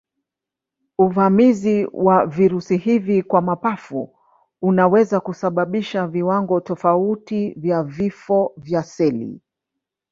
Uvamizi wa virusi hivi kwa mapafu unaweza kusababisha viwango tofauti vya vifo vya seli.